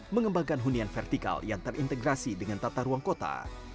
mengembangkan hunian vertikal yang terintegrasi dengan tata ruang kota